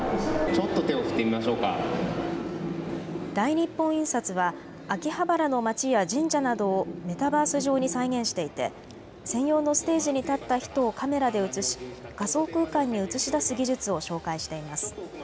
大日本印刷は秋葉原の街や神社などをメタバース上に再現していて専用のステージに立った人をカメラで写し仮想空間に映し出す技術を紹介しています。